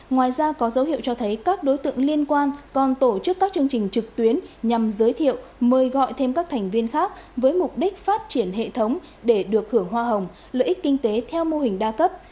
ngoài ra có dấu hiệu cho thấy các đối tượng liên quan còn tổ chức các chương trình trực tuyến nhằm giới thiệu mời gọi thêm các thành viên khác với mục đích phát triển hệ thống để được hưởng hoa hồng lợi ích kinh tế theo mô hình đa cấp